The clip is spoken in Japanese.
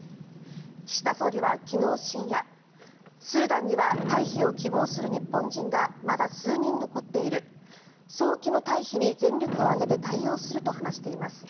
岸田総理は昨日深夜スーダンには退避を希望する日本人がまだ数人残っている早期の退避に全力を挙げて対応すると話しています。